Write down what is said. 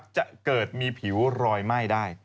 จะเกิดมีผิวรอยไหม้ได้